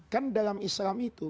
kan dalam islam itu